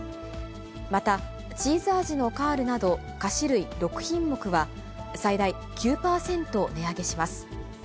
またチーズあじのカールなど、菓子類６品目は、最大９％値上げします。